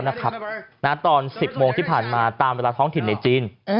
ตอน๑๐โมงที่ผ่านมาตามเวลาท้องถิ่นในจีน